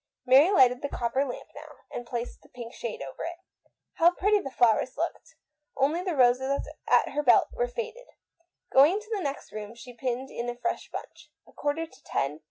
Mary lighted the copper lamp now, and placed the pink shade over it. How pretty the flowers looked! Only the roses at her belt were faded. She went into the next room and pinned in a fresh bunch. A quarter to ten!